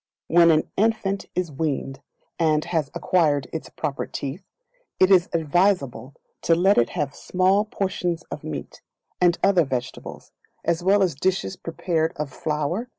When the Infant Is Weaned, and has acquired its proper teeth, it is advisable to let it have small portions of meat, and other vegetables, as well as dishes prepared of flour, &c.